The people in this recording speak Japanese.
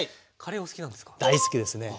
大好きですね！